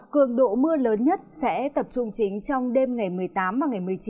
cường độ mưa lớn nhất sẽ tập trung chính trong đêm ngày một mươi tám và ngày một mươi chín